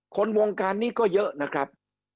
วงการนี้ก็เยอะนะครับ